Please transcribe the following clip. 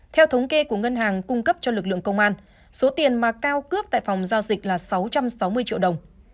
theo thống kê của ngân hàng cung cấp cho lực lượng công an số tiền mà cao cướp tại phòng giao dịch là sáu trăm sáu mươi triệu đồng